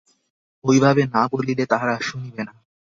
ঐভাবে না বলিলে তাহারা শুনিবে না।